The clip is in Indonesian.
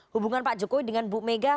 hubungan pak jokowi dengan bu mega